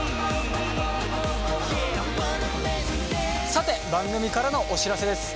さて番組からのお知らせです。